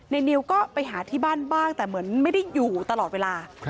นิวก็ไปหาที่บ้านบ้างแต่เหมือนไม่ได้อยู่ตลอดเวลา